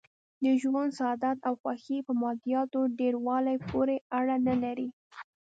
د ژوند سعادت او خوښي په مادیاتو ډېر والي پورې اړه نه لري.